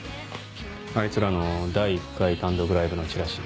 あいつらの第１回単独ライブのチラシ。